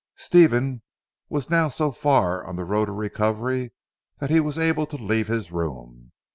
Stephen was now so far on the road to recovery, that he was able to leave his room.